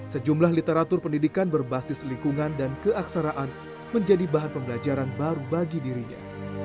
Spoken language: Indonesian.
sejumlah literatur pendidikan berbasis lingkungan dan keaksaraan menjadi bahan pembelajaran baru bagi dirinya